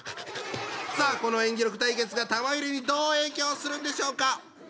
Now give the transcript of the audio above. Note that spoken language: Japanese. さあこの演技力対決が玉入れにどう影響するんでしょうか？